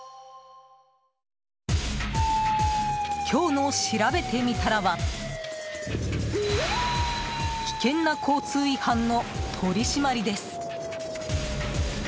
今日のしらべてみたらは危険な交通違反の取り締まりです。